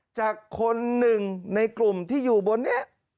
จากคนหนึ่งในกลุ่มที่อยู่บนนี้